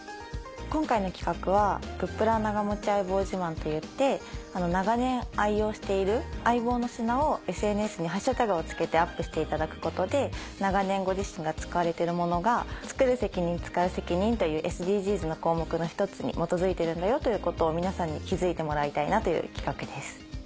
今回の企画は「＃グップラ長持ち相棒自慢」といって長年愛用している相棒の品をＳＮＳにハッシュタグをつけてアップしていただくことで長年ご自身が使われてるものが「つくる責任つかう責任」というＳＤＧｓの項目の一つに基づいてるんだよということを皆さんに気付いてもらいたいなという企画です。